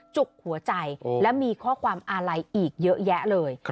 จุกหัวใจและมีข้อความอะไรอีกเยอะแยะเลย